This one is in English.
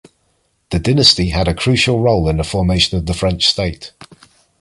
The dynasty had a crucial role in the formation of the French state.